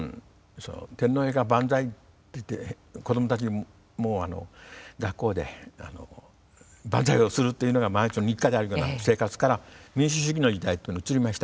「天皇陛下万歳」って言って子どもたちにも学校で万歳をするというのが毎日の日課であるような生活から民主主義の時代っていうのに移りました。